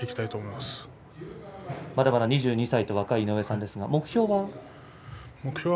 まだまだ２２歳と若い井上さん目標は？